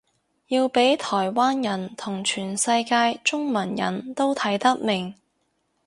要畀台灣人同全世界中文人都睇得明